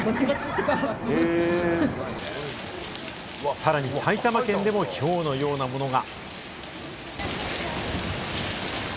さらに埼玉県でも、ひょうのようなものが。